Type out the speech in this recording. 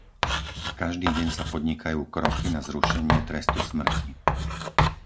Každý deň sa podnikajú kroky na zrušenie trestu smrti.